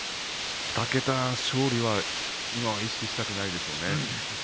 ２桁勝利は今は意識したくないでしょうね。